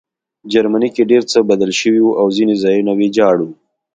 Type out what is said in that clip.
جرمني کې ډېر څه بدل شوي وو او ځینې ځایونه ویجاړ وو